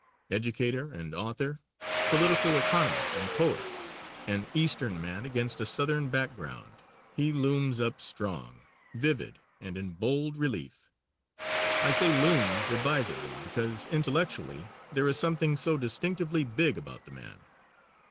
Educator and author, political economist and poet, an Eastern man against a Southern back ground, he looms up strong, vivid and in bold relief. I say looms advisedly, because, intellectually, there is something so distinctively big about the man.